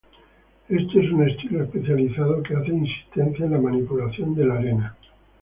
Este es un estilo especializado, que hace insistencia en la manipulación de la arena.